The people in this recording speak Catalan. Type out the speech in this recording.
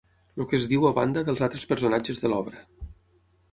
El que es diu a banda dels altres personatges de l'obra.